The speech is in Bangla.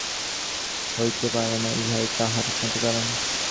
জগৎ যে কখনও একধর্মাবলম্বী হইতে পারে না, ইহাই তাহার একমাত্র কারণ।